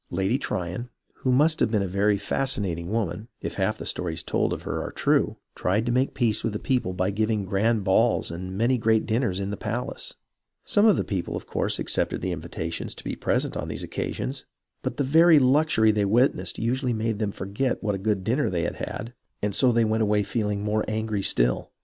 Lady Tryon, who must have been a very fascinating woman, if half the stories told of her are true, tried to make peace with the people by giving grand balls and 26 HISTORY OF THE AMERICAN REVOLUTION many great dinners in the palace. Some of the people of course accepted the invitations to be present on these occa sions, but the very luxury they witnessed usually made them forget what a good dinner they had had, and so they went away feeling more angry still.